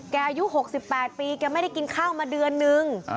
อายุ๖๘ปีแกไม่ได้กินข้าวมาเดือนนึง